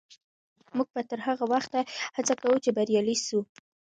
موږ به تر هغه وخته هڅه کوو چې بریالي سو.